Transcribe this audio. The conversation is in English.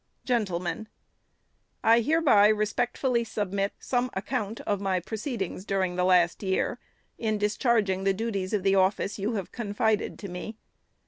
GENTLEMEN :— I hereby respectfully submit some ac count of my proceedings during the last year, in dis charging the duties of the office you have confided to me.